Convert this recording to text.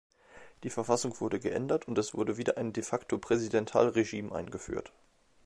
Die Verfassung wurde geändert und es wurde wieder ein De-facto-Präsidialregime eingeführt.